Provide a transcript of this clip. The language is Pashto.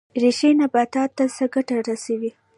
ریښې نبات ته څه ګټه رسوي؟